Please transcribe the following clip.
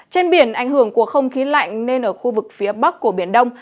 trên biển ảnh hưởng của không khí lạnh nên ở khu vực phía bắc của biển đông